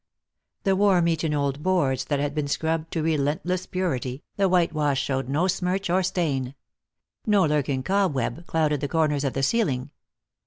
The worm eaten old boards had been scrubbed to relentless purity, the white wash showed no smirch or stain. No lurking cobweb clouded the corners of the ceiling.